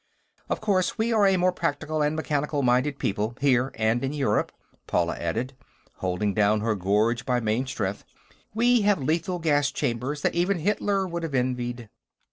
"Of course, we are a more practical and mechanical minded people, here and in Europe," Paula added, holding down her gorge by main strength. "We have lethal gas chambers that even Hitler would have envied."